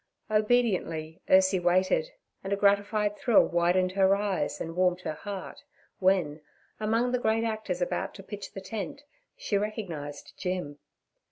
Obediently Ursie waited, and a gratified thrill widened her eyes and warmed her heart when, among the great actors about to pitch the tent, she recognised Jim.